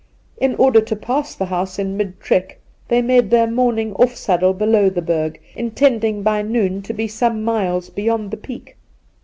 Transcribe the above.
In order to pass the house in mid trek they made their morning off saddle below the Berg, intending by noon to be some miles beyond the Peak.